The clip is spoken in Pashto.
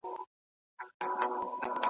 لا تر څو به دي قسمت په غشیو ولي `